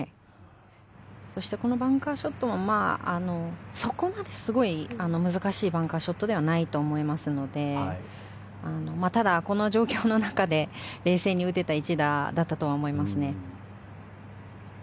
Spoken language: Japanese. そして、このバンカーショットもそこまですごい難しいバンカーショットではないと思いますのでただ、この状況の中で冷静に打てた一打だったとは思いますね。